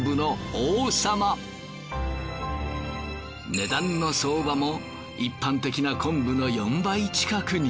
値段の相場も一般的な昆布の４倍近くに。